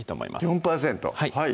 ４％はい